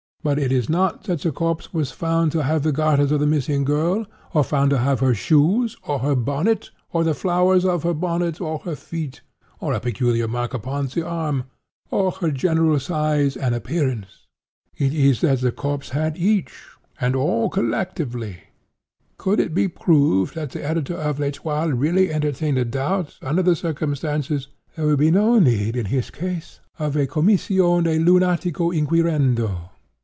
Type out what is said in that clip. But it is not that the corpse was found to have the garters of the missing girl, or found to have her shoes, or her bonnet, or the flowers of her bonnet, or her feet, or a peculiar mark upon the arm, or her general size and appearance—it is that the corpse had each, and all collectively. Could it be proved that the editor of L'Etoile really entertained a doubt, under the circumstances, there would be no need, in his case, of a commission de lunatico inquirendo.